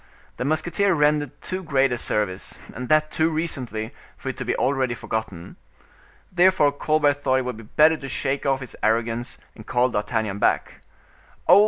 The musketeer had rendered too great a service, and that too recently, for it to be already forgotten. Therefore Colbert thought it would be better to shake off his arrogance and call D'Artagnan back. "Ho!